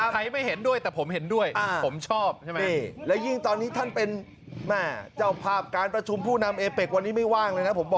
ใครไม่เห็นด้วยแต่ผมเห็นด้วยผมชอบใช่ไหม